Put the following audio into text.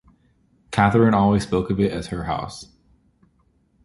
Catherine always spoke of it as her house.